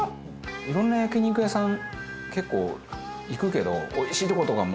いろんな焼き肉屋さん結構行くけどおいしいとことかもね